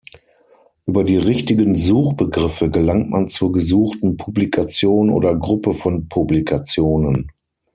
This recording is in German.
Über die richtigen Suchbegriffe gelangt man zur gesuchten Publikation oder Gruppe von Publikationen.